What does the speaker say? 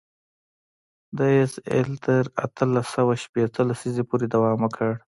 د آس رېل تر اتلس سوه شپېته لسیزې پورې دوام وکړ.